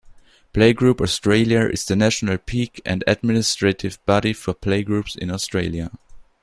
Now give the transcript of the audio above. Playgroup Australia is the national peak and administrative body for playgroups in Australia.